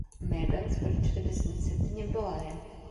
Mēbeles par četrdesmit septiņiem dolāriem.